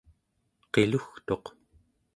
qilugtuq